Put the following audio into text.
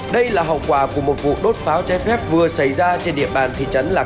đây là hậu quả của một vụ đốt pháo trái phép vừa xảy ra trên địa bàn thị trấn lạc